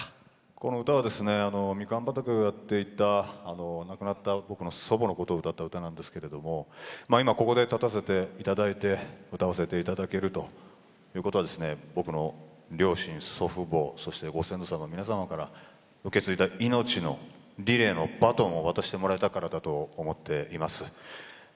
この歌はみかん畑をやっていた亡くなった僕の祖母のことを歌った歌なんですが今ここで立たせていただいて歌わせていただけるのは僕の両親、祖父母そしてご先祖様、皆様から受け継いだ命のリレーのバトンを渡してもらえたからだと思っています。